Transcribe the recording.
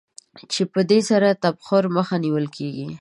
چې په دې سره د تبخیر مخه نېول کېږي.